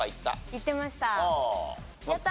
行ってました。